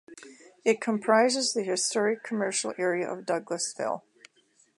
It comprises the historic commercial area of Douglasville.